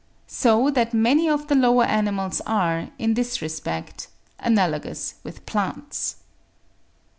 So that many of the lower animals are, in this respect, analogous with plants.